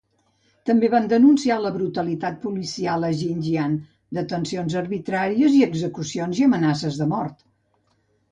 També van denunciar la brutalitat policial a Xinjiang: detencions arbitràries, execucions i amenaces de mort.